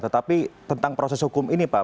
tetapi tentang proses hukum ini pak